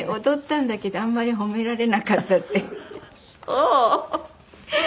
踊ったんだけどあんまり褒められなかったって。